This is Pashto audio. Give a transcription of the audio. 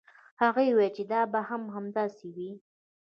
هغې وویل چې دا به هم داسې وي.